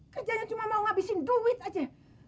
kerjanya cuma mau ngabisin duit aja